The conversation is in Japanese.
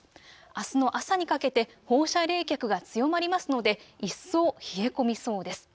あすの朝にかけて放射冷却が強まりますので一層、冷え込みそうです。